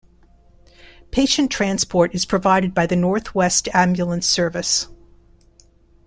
Patient transport is provided by the North West Ambulance Service.